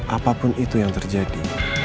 apapun itu yang terjadi